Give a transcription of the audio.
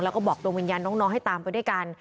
แล้วก็บอกดวงวิญญาณน้องให้ตามไปด้วยกัน